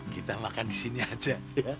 kita makan disini aja